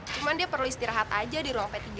cuma dia perlu istirahat aja di ruang p tiga